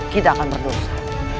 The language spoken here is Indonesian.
kita akan berdosa